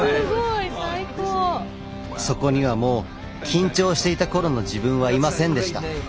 そこにはもう緊張していた頃の自分はいませんでした。